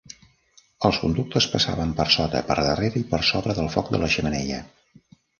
Els conductes passaven per sota, per darrere i per sobre del foc de la xemeneia.